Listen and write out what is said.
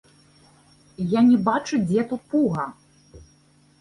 Я не бачу, дзе тут пуга.